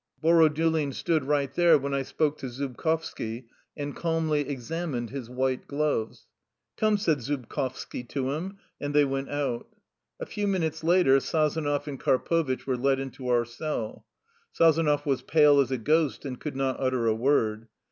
Borodulin stood right there when I spoke to Zubkovski and calmly examined his white gloves. " Come," said Zubkovski to him, and they went out. A few minutes later Sazonov and Karpovitch were led into our cell. Sazonov was pale as a ghost, and could not utter a word.